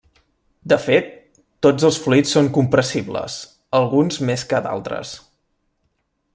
De fet, tots els fluids són compressibles, alguns més que d'altres.